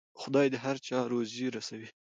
خدای د هر چا روزي رسوي.